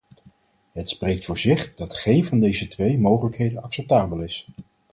Het spreek voor zich dat geen van deze twee mogelijkheden acceptabel is.